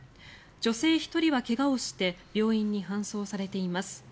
女性１人は怪我をして病院に搬送されています。